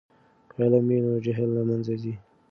که علم وي نو جهل له منځه ځي.